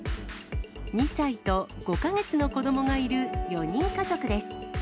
２歳と５か月の子どもがいる４人家族です。